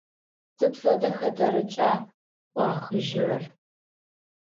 Сыд фэдэ хэтэрыкӏа ӏуахыжьырэр?